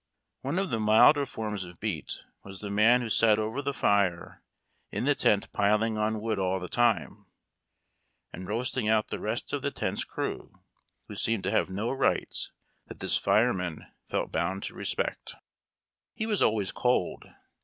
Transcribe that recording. One of the milder forms of beat was the man who sat over the fire in the tent piling on wood all the time, and roasting out the rest of the tent's crew, who seemed to have no rights that this fireman felt bound to respect. He 96 HARD TACK AND COFFEE. was always cold.